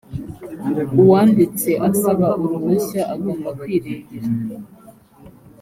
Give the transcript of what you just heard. uwanditse asaba uruhushya agomba kwirengera